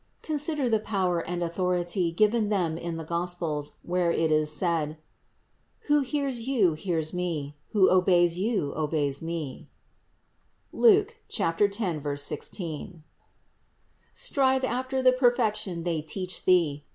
Consider the power and authority given them in the Gospels, where it is said: "Who hears you, hears Me; who obeys you obeys Me" (Luke 10, 16). Strive after the perfection they teach thee.